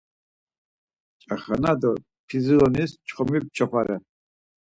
Çaxana do P̌izilonis çxomi p̌ç̌opare.